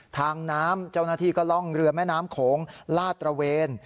ทางน้ำเจ้าหน้าที่ก็ล่องเรือแม่น้ำโขงลาดตระเวน